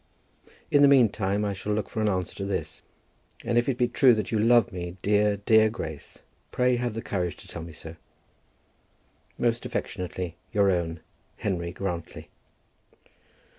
In the meantime I shall look for an answer to this; and if it be true that you love me, dear, dear Grace, pray have the courage to tell me so. Most affectionately your own, HENRY GRANTLY.